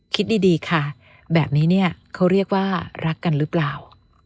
คิดดีค่ะแบบนี้เนี่ยเขาเรียกว่ารักกันหรือเปล่า